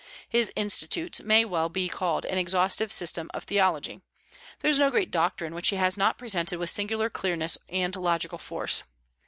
His "Institutes" may well be called an exhaustive system of theology. There is no great doctrine which he has not presented with singular clearness and logical force.